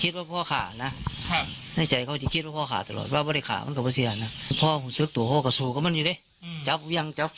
ตอนนี้ก็ถูกจับเรียบร้อยนะ